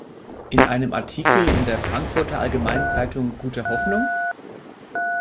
In einem Artikel in der Frankfurter Allgemeinen Zeitung "Guter Hoffnung?